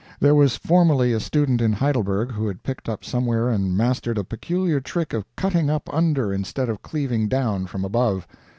There was formerly a student in Heidelberg who had picked up somewhere and mastered a peculiar trick of cutting up under instead of cleaving down from above.